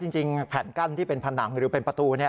จริงแผ่นกั้นที่เป็นผนังหรือเป็นประตู